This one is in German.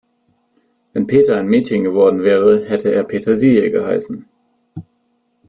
Wenn Peter ein Mädchen geworden wäre, hätte er Petersilie geheißen.